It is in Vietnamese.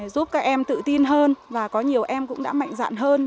giúp các em tự tin hơn và có nhiều em cũng đã mạnh dạn hơn